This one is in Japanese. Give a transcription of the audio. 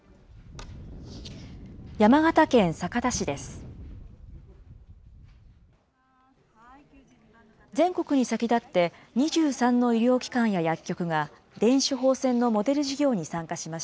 山形県酒田市です。